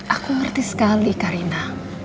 aku ngerti sekali karina